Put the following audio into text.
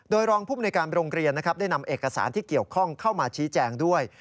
โดยรองภูมิในการโรงเรียนนะครับได้นำเอกสารที่เกี่ยวข้องเข้ามาชี้แจงด้วย